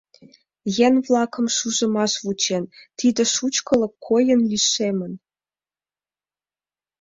Еҥ-влакым шужымаш вучен, тиде шучкылык койын лишемын.